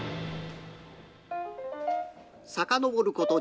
さかのぼること